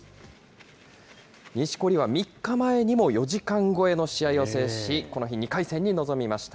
錦織は３日前にも４時間超えの試合を制し、この日、２回戦に臨みました。